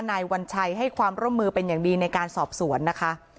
นายวัญชัยให้ความร่วมมือเป็นอย่างดีในการสอบสวนนะคะ